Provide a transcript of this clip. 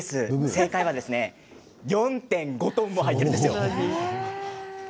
正解は４．５トンも入ってます。